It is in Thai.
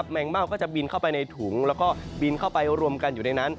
แมงเม่าก็จะบินเข้าไปในถุงแล้วก็บินเข้าไปรวมกันอยู่ในนั้น